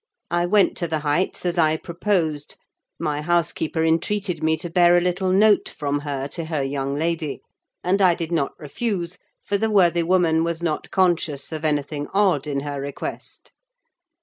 I went to the Heights as I proposed: my housekeeper entreated me to bear a little note from her to her young lady, and I did not refuse, for the worthy woman was not conscious of anything odd in her request.